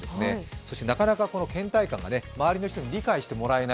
そして、なかなかけん怠感が周りの人に理解してもらえない。